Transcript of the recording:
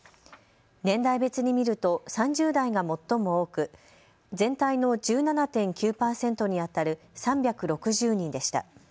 年代別に見ると３０代が最も多く全体の１７．９％にあたる３６０人でした。